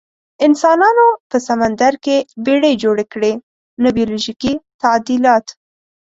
انسانانو په سمندر کې بیړۍ جوړې کړې، نه بیولوژیکي تعدیلات.